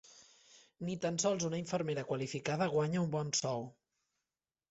Ni tan sols una infermera qualificada guanya un bon sou.